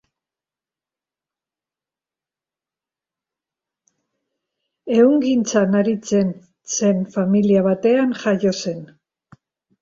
Ehungintzan aritzen zen familia batean jaio zen.